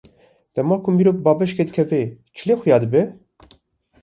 Dema mirov bi bapêşê dikeve, çi lê xuya dibe?